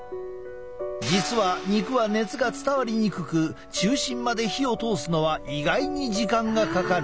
実は肉は熱が伝わりにくく中心まで火を通すのは意外に時間がかかる。